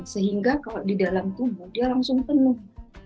sehingga kalau di dalam tubuh dia langsung penuh